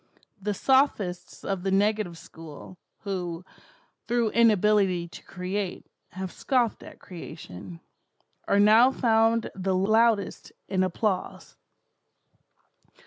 The sophists of the negative school, who, through inability to create, have scoffed at creation, are now found the loudest in applause.